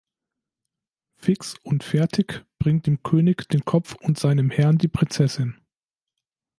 Fix und Fertig bringt dem König den Kopf und seinem Herrn die Prinzessin.